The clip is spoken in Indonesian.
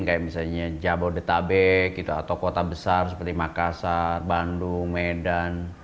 kayak misalnya jabodetabek gitu atau kota besar seperti makassar bandung medan